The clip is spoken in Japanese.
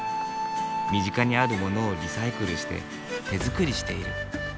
身近にある物をリサイクルして手作りしている。